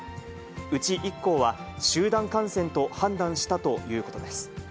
うち１校は、集団感染と判断したということです。